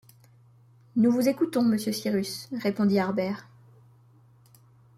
Nous vous écoutons, monsieur Cyrus, répondit Harbert.